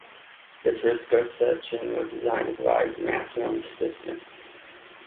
The Tresca section was designed to provide maximum stiffness.